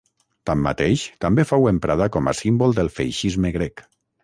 Tanmateix, també fou emprada com a símbol del feixisme grec.